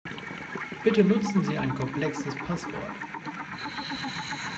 Bitte nutzen Sie ein komplexes Passwort.